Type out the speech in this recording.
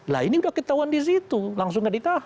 lah ini udah ketahuan di situ